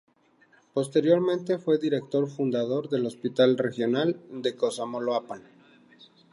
Posteriormente fue director fundador del Hospital Regional en Cosamaloapan.